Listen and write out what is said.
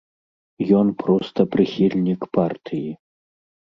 Ён проста прыхільнік партыі.